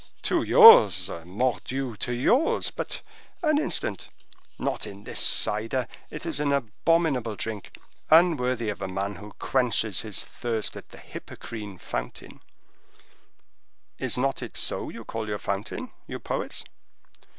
"To yours, mordioux, to yours. But—an instant—not in this cider. It is an abominable drink, unworthy of a man who quenches his thirst at the Hippocrene fountain—is not it so you call your fountain, you poets?"